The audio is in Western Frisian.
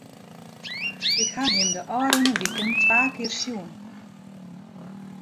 Ik ha him de ôfrûne wike twa kear sjoen.